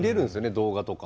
動画とか。